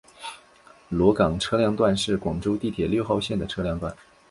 萝岗车辆段是广州地铁六号线的车辆段。